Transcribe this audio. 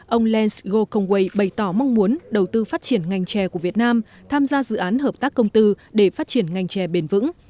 ông lance gokongwei bày tỏ mong muốn đầu tư phát triển ngành chè của việt nam tham gia dự án hợp tác công tư để phát triển ngành chè bền vững